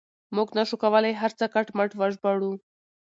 موږ نه شو کولای هر څه کټ مټ وژباړو.